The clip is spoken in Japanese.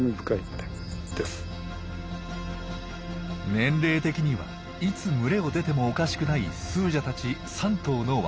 年齢的にはいつ群れを出てもおかしくないスージャたち３頭の若